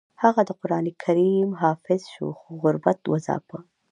هغه د قران کریم حافظ شو خو غربت وځاپه